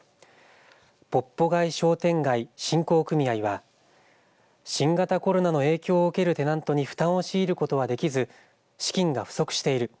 ポッポ街商店街振興組合は新型コロナの影響を受けるテナントに負担を強いることができず資金が不足している。